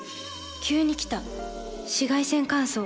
急に来た紫外線乾燥。